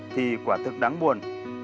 thì quả thực đáng buồn